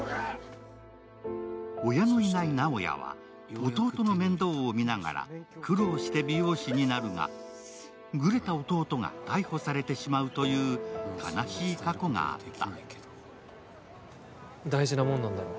親のいない直哉は弟の面倒を見ながら苦労して美容師になるが、グレた弟が逮捕されてしまうという悲しい過去があった。